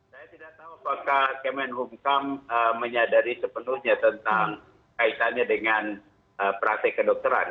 saya tidak tahu apakah kemenhukam menyadari sepenuhnya tentang kaitannya dengan praktek kedokteran